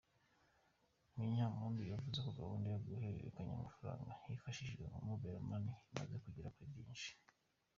Munyampundu yavuze ko gahunda yo guhererekanya amafaranga hifashishijwe Mobile Money imaze kugera kuri byinshi.